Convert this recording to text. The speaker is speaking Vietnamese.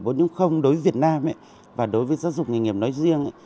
kỹ năng bốn đối với việt nam và đối với giáo dục nghề nghiệp nói riêng